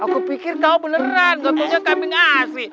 aku pikir kau beneran gak tau kambing asli